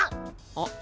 あっ。